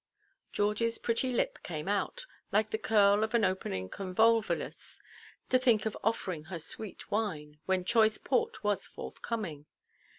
Georgieʼs pretty lip came out, like the curl of an opening convolvulus; to think of offering her sweet wine, when choice port was forthcoming.